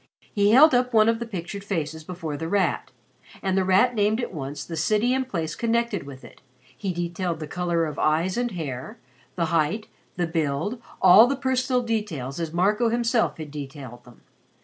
He held up one of the pictured faces before The Rat, and The Rat named at once the city and place connected with it, he detailed the color of eyes and hair, the height, the build, all the personal details as Marco himself had detailed them.